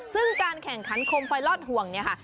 ซึ่งการแข่งขันโคมไฟลอดห่วงเนี่ยค่ะ